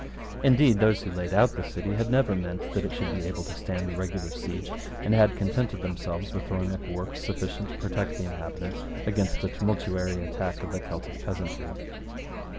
Indeed those who laid out the city had never meant that it should be able to stand a regular siege, and had contented themselves with throwing up works sufficient to protect the inhabitants against a tumultuary attack of the Celtic peasantry.